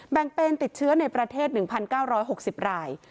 แบ่งเป็นติดเชื้อในประเทศ๑๙๖๐ราย